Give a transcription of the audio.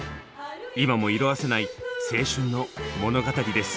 今も色あせない青春の物語です。